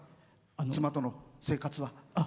妻との生活は。